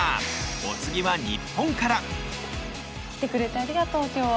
お次は日本から来てくれてありがとう今日は。